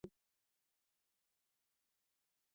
دا مخبېلګه د ختیځې اسیا یو شمېر هېوادونو بنسټ دی.